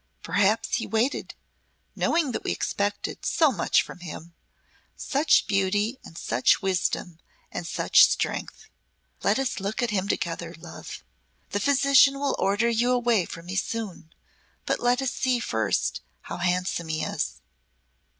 Perhaps he waited, knowing that we expected so much from him such beauty and such wisdom and such strength. Let us look at him together, love. The physician will order you away from me soon, but let us see first how handsome he is."